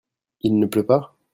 Il ne pleut pas ?